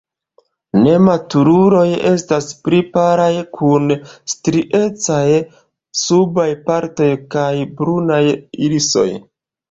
Nematuruloj estas pli palaj, kun striecaj subaj partoj kaj brunaj irisoj.